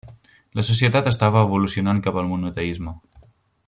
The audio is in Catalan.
La societat estava evolucionant cap al monoteisme.